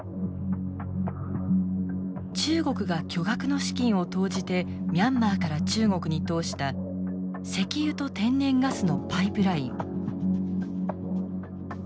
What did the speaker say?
中国が巨額の資金を投じてミャンマーから中国に通した石油と天然ガスのパイプライン。